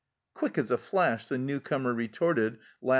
Quick as a flash the new comer retorted, laugh 1.